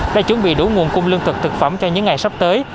đã chuẩn bị đủ nguồn cung lương thực thực phẩm cho những ngày sắp tới